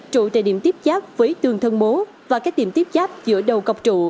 trụ tại điểm tiếp giáp với tường thân mố và các điểm tiếp giáp giữa đầu cọc trụ